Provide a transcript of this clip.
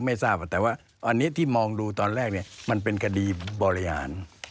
ไม่ทราบแต่ว่าอันนี้ที่มองดูตอนแรกเนี่ยมันเป็นคดีบริหาร